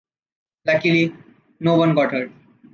Luckily, no one got hurt.